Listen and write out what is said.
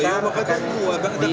yang diperlukan untuk memperbaiki